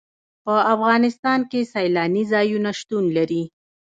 په افغانستان کې سیلانی ځایونه شتون لري.